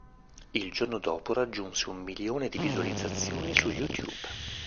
Il giorno dopo raggiunse un milione di visualizzazioni su YouTube.